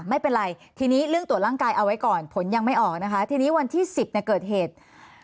ไม่เป็นไรทีนี้เรื่องตรวจร่างกายเอาไว้ก่อนผลยังไม่ออกนะคะทีนี้วันที่๑๐เนี่ยเกิดเหตุ